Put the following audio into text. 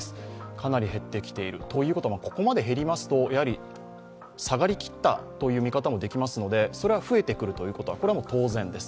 かなり減ってきているということはここまで減りますと下がりきったという見方もできますから、それは増えてくることは当然です。